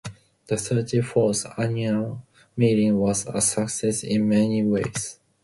The thirty-fourth annual meeting was a success in many ways.